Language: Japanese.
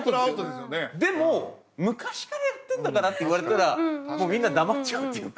でも昔からやってんだからって言われたらもうみんな黙っちゃうっていうか。